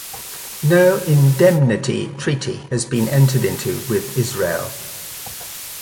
No indemnity treaty has been entered into with Israel.